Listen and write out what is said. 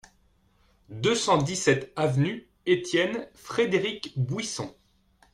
deux cent dix-sept avenue Étienne-Frédéric Bouisson